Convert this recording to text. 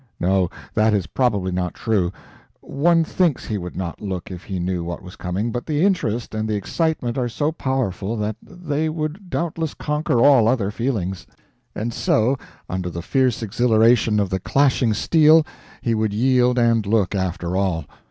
No, that is probably not true; one thinks he would not look if he knew what was coming, but the interest and the excitement are so powerful that they would doubtless conquer all other feelings; and so, under the fierce exhilaration of the clashing steel, he would yield and look after all.